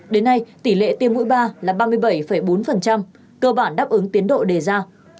đến nay tỷ lệ tiêm mũi ba là ba mươi bảy bốn cơ bản đáp ứng tiến độ đề ra